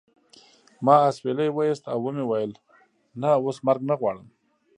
ما اسویلی وایست او و مې ویل نه اوس مرګ نه غواړم